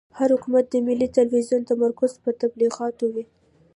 هر حکومت د ملي تلویزون تمرکز پر تبلیغاتو وي.